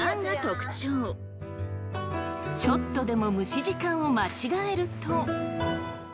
ちょっとでも蒸し時間を間違えると。